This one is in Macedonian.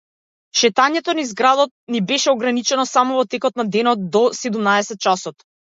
Шетањето низ градот ни беше ограничено само во текот на денот до седумнаесет часот.